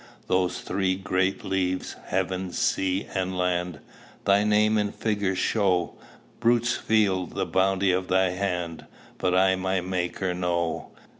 "Those three great leaves, heaven, sea, and land, Thy name in figures show; Brutes feel the bounty of thy hand, But I my Maker know.